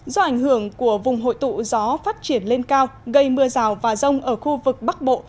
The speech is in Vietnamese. do ảnh hưởng của vùng hội tụ gió phát triển lên cao gây mưa rào và rông ở khu vực bắc bộ